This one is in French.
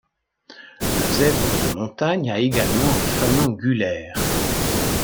Le zèbre de montagne a également un fanon gulaire.